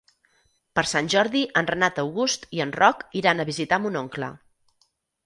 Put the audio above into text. Per Sant Jordi en Renat August i en Roc iran a visitar mon oncle.